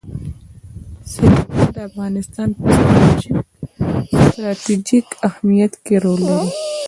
سیلابونه د افغانستان په ستراتیژیک اهمیت کې رول لري.